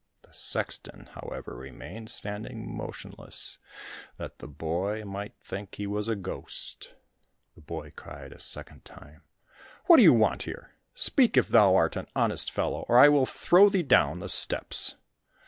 The sexton, however, remained standing motionless that the boy might think he was a ghost. The boy cried a second time, "What do you want here?—speak if thou art an honest fellow, or I will throw thee down the steps!"